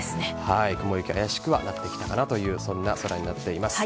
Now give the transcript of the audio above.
雲行き怪しくはなってきたかなという空になっています。